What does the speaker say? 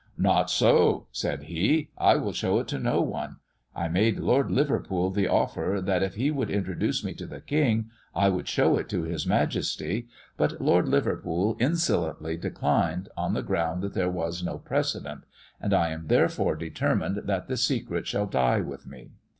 "'Not so,' said he, 'I will show it to no one. I made Lord Liverpool the offer that, if he would introduce me to the King, I would show it to his Majesty; but Lord Liverpool insolently declined, on the ground that there was no precedent; and I am therefore determined that the secret shall die with me.